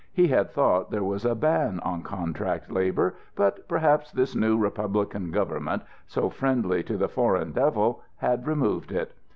He had thought there was a ban on contract labour, but perhaps this new Republican Government, so friendly to the Foreign Devil, had removed it.